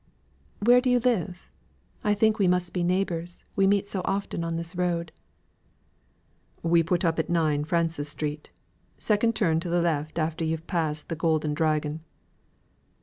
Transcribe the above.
"Where do you live? I think we must be neighbours, we meet so often on this road." "We put up at nine Frances Street, second turn to th' left at after yo've past th' Goulden Dragon."